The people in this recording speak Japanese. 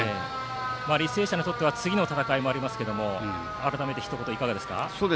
履正社にとっては次の戦いもありますが改めてどうですか。